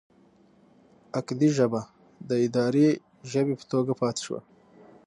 اکدي ژبه د اداري ژبې په توګه پاتې شوه.